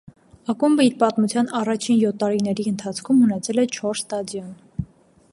Ակումբը իր պատմության առաջին յոթ տարիների ընթացքում ունեցել է չորս ստադիոն։